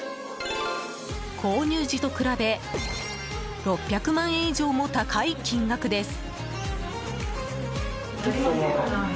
購入時と比べ６００万円以上も高い金額です。